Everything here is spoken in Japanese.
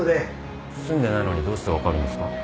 住んでないのにどうして分かるんですか？